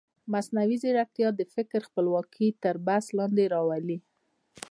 مصنوعي ځیرکتیا د فکر خپلواکي تر بحث لاندې راولي.